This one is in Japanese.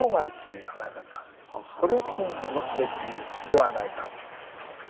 これをきちんと持つべきではないか。